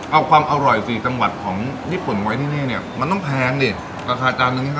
เอาความอร่อยจริงจังหวัดของญี่ปุ่นไว้ที่นี่เนี่ยมันต้องแพงกินดิราคาจานหนึ่งเท่าไร